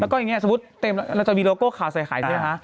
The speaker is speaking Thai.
แล้วก็อย่างนี้สมมุติเต็มเราจะมีโลโก้ข่าวใส่ไข่ใช่ไหมคะ